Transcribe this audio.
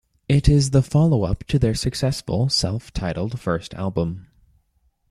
It is the follow-up to their successful self-titled first album.